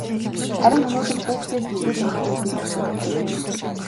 Харин өнөөдөр хүүхдээс мэдүүлэг авахыг бид зөвшөөрөхгүй.